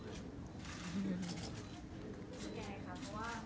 รู้สึกยังไงใช่ไหม